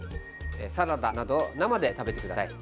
サラダなど、生で食べてください。